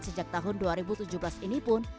sejak tahun dua ribu tujuh belas ini pun